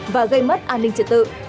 và gây mất an ninh trật tự